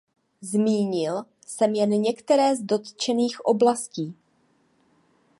Zmínil jsem jen některé z dotčených oblastí.